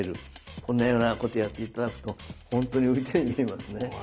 こんなようなことをやって頂くと本当に浮いたように見えますね。